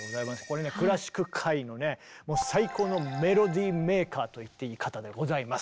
これねクラシック界のね最高のメロディーメーカーと言っていい方でございます。